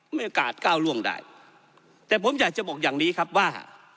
โอกาสก้าวล่วงได้แต่ผมอยากจะบอกอย่างนี้ครับว่า